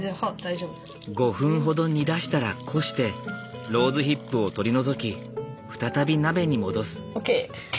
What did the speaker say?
５分ほど煮出したらこしてローズヒップを取り除き再び鍋に戻す。ＯＫ！